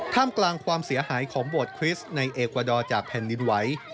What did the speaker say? กลางความเสียหายของโบสถคริสต์ในเอกวาดอร์จากแผ่นดินไหว